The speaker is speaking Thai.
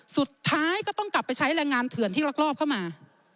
สุดท้ายก็ต้องกลับไปใช้แรงงานเถื่อนที่รักรอบเข้ามา